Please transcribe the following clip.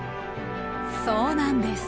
そうなんです。